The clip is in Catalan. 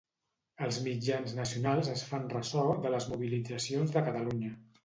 Els mitjans nacionals es fan ressò de les mobilitzacions de Catalunya.